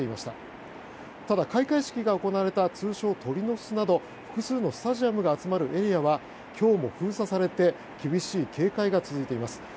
ただ、開会式が行われた通称・鳥の巣など複数のスタジアムが集まるエリアは今日も封鎖されて厳しい警戒が続いています。